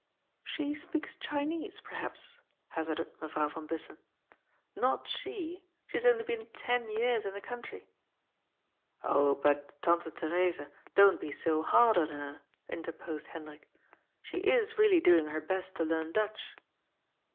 " "She speaks Chinese, perhaps?" hazarded Mevrouw van Bussen. " Not she. She has only been ten years in the country." "Oh, but, Tante Theresa, don't be so hard on her," interposed Hendrik. " She is really doing her best to learn Dutch."